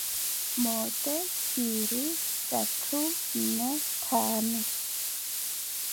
Mote, piiri, tatthu, nne, thaanu.